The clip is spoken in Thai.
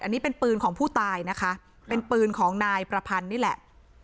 อันนี้เป็นปืนของผู้ตายนะคะเป็นปืนของนายประพันธ์นี่แหละ